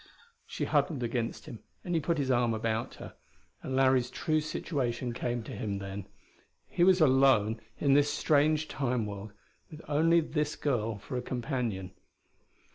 She huddled against him and he put his arm about her. And Larry's true situation came to him, then. He was alone in this strange Time world, with only this girl for a companion.